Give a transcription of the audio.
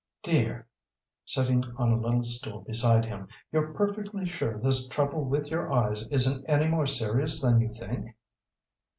"Dear," sitting on a stool beside him "you're perfectly sure this trouble with your eyes isn't any more serious than you think?"